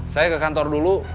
saya ke kantor dulu